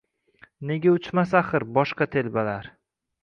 Nega uchmas, axir, boshqa telbalar?